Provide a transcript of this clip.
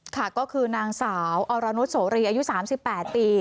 ค่ะก็คือนางสาวอรนุษโสรีอายุ๓๘ปี